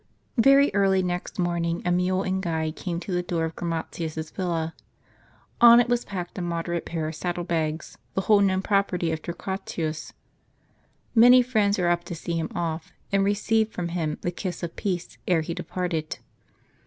' EEY early next morning a mule and guide came to the door of Chromatins' s villa. On it was packed a moderate pair of saddle bags, the whole known property of Torqua tus. Many friends were up to see him off, and receive from him the kiss of peace ere he departed.